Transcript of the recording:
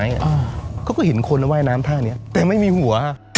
เขาก็เห็นคนว่ายน้ำท่านี้แต่ไม่มีหัว